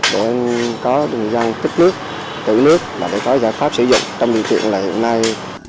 để có người dân tích nước tử nước để có giải pháp sử dụng trong biện tiện hiện nay